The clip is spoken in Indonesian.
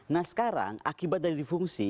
nah sekarang akibat dari fungsi